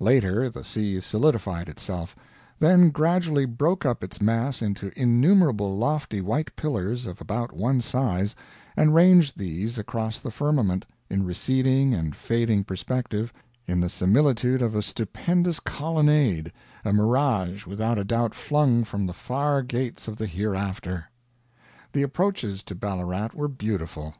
Later, the sea solidified itself; then gradually broke up its mass into innumerable lofty white pillars of about one size, and ranged these across the firmament, in receding and fading perspective, in the similitude of a stupendous colonnade a mirage without a doubt flung from the far Gates of the Hereafter. The approaches to Ballarat were beautiful.